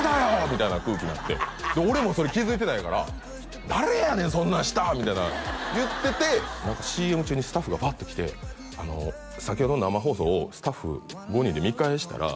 みたいな空気になってで俺もそれ気づいてないから「誰やねんそんなんしたん！」みたいな言ってて何かＣＭ中にスタッフがフワッと来て「先ほど生放送をスタッフ５人で見返したら」